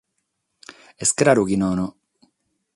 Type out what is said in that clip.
Est craru chi nono.